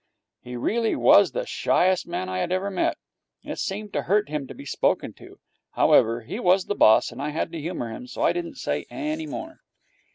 He really was the shyest man I had ever met. It seemed to hurt him to be spoken to. However, he was the boss, and I had to humour him, so I didn't say any more.